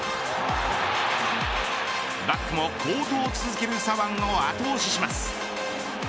バックも好投を続ける左腕の後押しします。